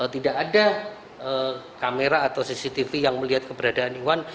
tidak ada kamera atau cctv yang melihat keberadaan iwan